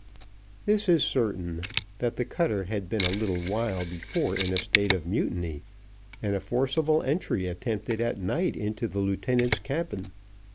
This is certain, that the cutter had been a little while before in a state of mutiny, and a forcible entry attempted at night into the lieutenant's cabin.